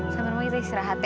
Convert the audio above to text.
sama rumah kita istirahat ya